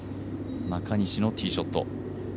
中西のティーショット。